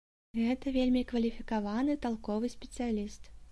Гэта вельмі кваліфікаваны, талковы спецыяліст.